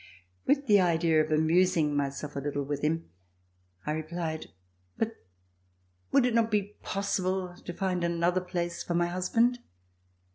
With the idea of amusing myself a little with him, I replied: "But would it not be possible to find another place for my husband.